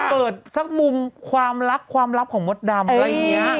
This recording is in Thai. เกิดสักมุมความรักความลับของมดดำอะไรอย่างนี้